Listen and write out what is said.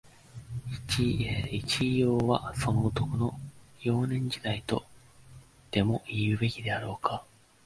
一葉は、その男の、幼年時代、とでも言うべきであろうか